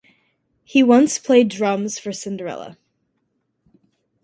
He once played drums for Cinderella.